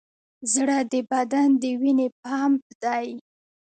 زړه د بدن د وینې پمپ دی.